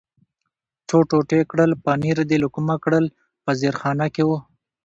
څو ټوټې کړل، پنیر دې له کومه کړل؟ په زیرخانه کې و.